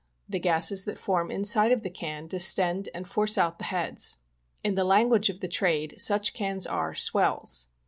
The gasses that form inside of the can distena and force out the heads. In the language of the trade such cans are " swells."